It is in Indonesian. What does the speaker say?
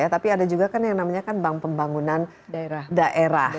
tapi ada juga yang namanya bank pembangunan daerah